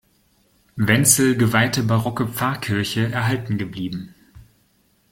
Wenzel geweihte barocke Pfarrkirche erhalten geblieben.